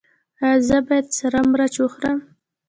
ایا زه باید سره مرچ وخورم؟